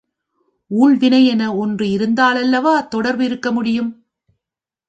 ஊழ்வினை என ஒன்று இருந்தாலல்லவா தொடர்பு இருக்க முடியும்?